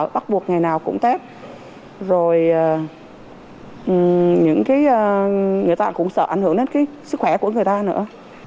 bắt buộc ngày nào cũng tết rồi những người ta cũng sợ ảnh hưởng đến cái sức khỏe của người ta nữa